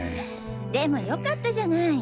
でも良かったじゃない。